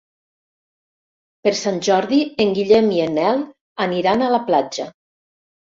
Per Sant Jordi en Guillem i en Nel aniran a la platja.